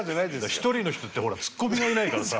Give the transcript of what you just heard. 一人の人ってほら突っ込みがいないからさ。